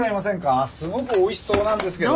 すごく美味しそうなんですけど。